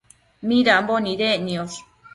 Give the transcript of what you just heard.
midambo nidec niosh ?